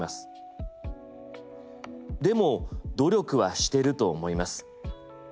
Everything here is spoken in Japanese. でも努力はしてると思います。